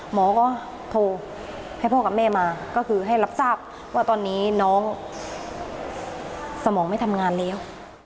หมอก็โทรให้พ่อกับแม่มาก็คือให้รับทราบว่าตอนนี้น้องสมองไม่ทำงานแล้ว